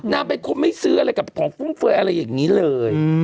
นางเป็นคนไม่ซื้ออะไรกับของฟุ่มเฟย์อะไรอย่างนี้เลย